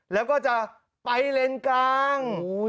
แล้วก็จะไปเลนกลาง